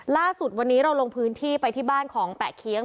ล่าสุดวันนี้เราลงพื้นที่ไปที่บ้านของแปะเคี้ยง